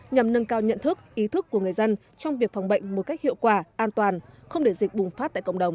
nhằm nâng cao nhận thức ý thức của người dân trong việc phòng bệnh một cách hiệu quả an toàn không để dịch bùng phát tại cộng đồng